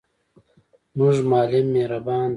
زموږ معلم مهربان دی.